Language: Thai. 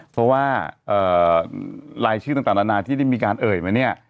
เพราะว่ารายชื่อต่างนานาที่ได้มีการเอ่ยมาเนี่ย